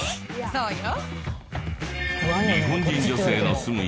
そうよ